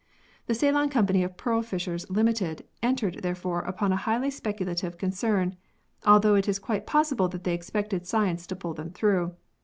The Ceylon Company of Pearl Fishers, Ltd., en tered, therefore, upon a highly speculative concern, although it is quite possible that they expected science to pull them through.